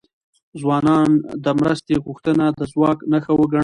ځوانان د مرستې غوښتنه د ځواک نښه وګڼي.